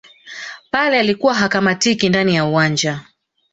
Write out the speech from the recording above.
pele alikuwa hakamatiki ndani ya uwanja